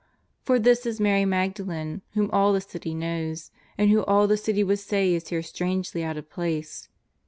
For this is Mary Magdalen, whom all the city knows, and who all the city would say is here strangely out of place..